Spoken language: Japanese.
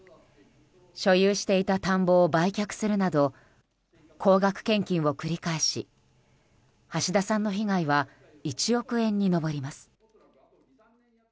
所有していた田んぼを売却するなど高額献金を繰り返し橋田さんの被害は１億円に上ります。